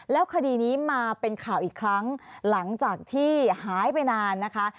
แล้วคดีนี้มาเป็นข่าวอีกครั้งหลังจากที่หายไปนานนะคะ